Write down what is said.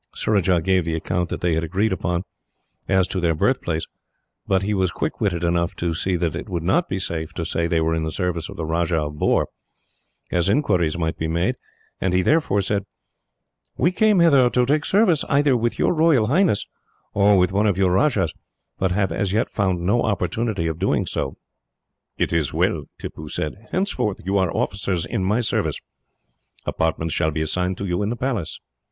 Surajah gave the account that they had agreed upon, as to their birthplace, but he was quick witted enough to see that it would not be safe to say they were in the service of the Rajah of Bhor, as inquiries might be made; and he therefore said: "We came hither to take service either with your Royal Highness, or with one of your rajahs, but have as yet found no opportunity of doing so." "It is well," Tippoo said. "Henceforth you are officers in my service. Apartments shall be assigned to you, in the Palace.